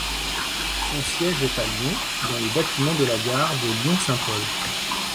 Son siège est à Lyon dans les bâtiments de la gare de Lyon-Saint-Paul.